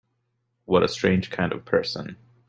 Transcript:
What a strange kind of person!